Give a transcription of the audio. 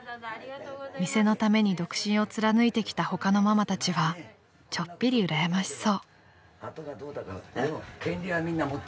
［店のために独身を貫いてきた他のママたちはちょっぴりうらやましそう］